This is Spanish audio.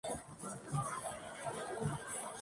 Asistió a St.